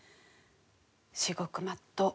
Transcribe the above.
至極まっとう。